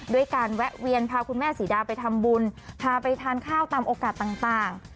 ด้วยการแวะเวียนพาคุณแม่ศรีดาไปทำบุญพาไปทานข้าวตามโอกาสต่าง